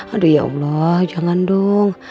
aduh ya allah jangan dong